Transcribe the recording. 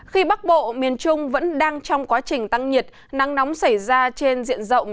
khi bắc bộ miền trung vẫn đang trong quá trình tăng nhiệt nắng nóng xảy ra trên diện rộng